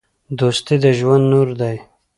دوستي د ژوند نور دی.